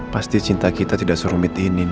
pasti cinta kita tidak suruh mitingin